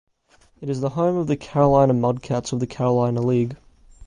It is the home of the Carolina Mudcats of the Carolina League.